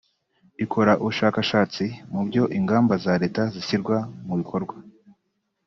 ikora ubushakashatsi mu buryo ingamba za leta zishyirwa mu bikorwa